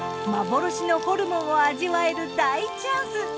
幻のホルモンを味わえる大チャンス。